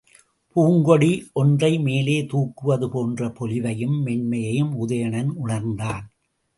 பூங்கொடி ஒன்றை மேலே தூக்குவது போன்ற பொலிவையும் மென்மையையும் உதயணன் உணர்ந்தான்.